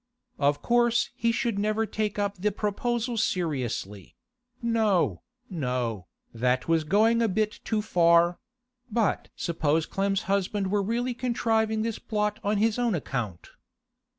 Of course he should never take up the proposal seriously; no, no, that was going a bit too far; but suppose Clem's husband were really contriving this plot on his own account?